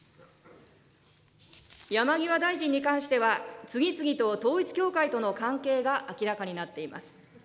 山際大臣に関しては、次々と統一教会との関係が明らかになっています。